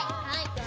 はい！